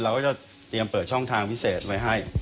เราก็จะเตรียมเปิดช่องทางพิเศษไว้ให้